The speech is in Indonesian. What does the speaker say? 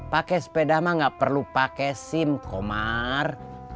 pake sepeda mah gak perlu pake sim komar